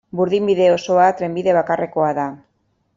Burdinbide osoa trenbide bakarrekoa da.